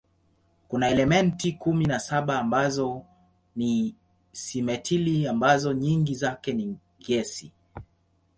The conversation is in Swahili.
Kuna elementi kumi na saba ambazo ni simetili ambazo nyingi zake ni gesi.